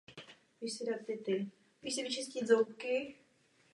Byl přívržencem Habsburků a prosazoval rekatolizaci.